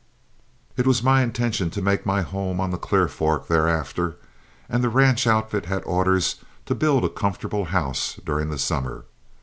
It was my intention to make my home on the Clear Fork thereafter, and the ranch outfit had orders to build a comfortable house during the summer.